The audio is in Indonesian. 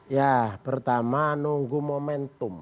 ya pertama nunggu momentum